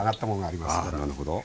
あなるほど。